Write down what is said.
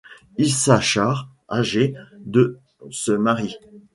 Issachar âgé de se marie.